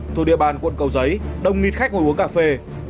thuộc địa bàn quận cầu giấy đông nghịt khách ngồi uống cà phê